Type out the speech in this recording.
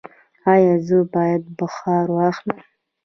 ایا زه باید بخار واخلم؟